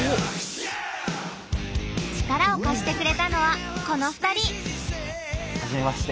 力を貸してくれたのはこの２人！